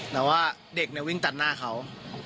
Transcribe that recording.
แต่ว่าเด็กวิ่งตัดหน้าเขา